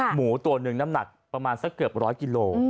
หมูตัวหนึ่งน้ำหนักประมาณสักเกือบร้อยกิโล